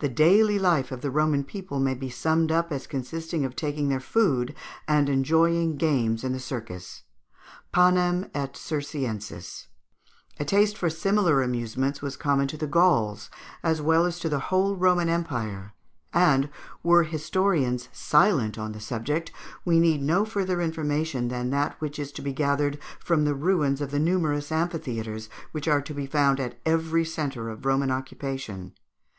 The daily life of the Roman people may be summed up as consisting of taking their food and enjoying games in the circus (panem et circenses). A taste for similar amusements was common to the Gauls as well as to the whole Roman Empire; and, were historians silent on the subject, we need no further information than that which is to be gathered from the ruins of the numerous amphitheatres, which are to be found at every centre of Roman occupation.